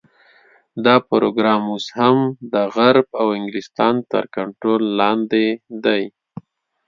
دا پروګرام اوس هم د غرب او انګلستان تر کنټرول لاندې دی.